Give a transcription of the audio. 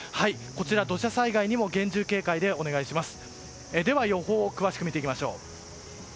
土砂災害にも厳重警戒でお願いします。